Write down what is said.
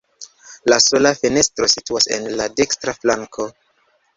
La sola fenestro situas en la dekstra flanko.